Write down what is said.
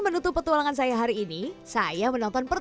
computers hanya memakai di berbagai alur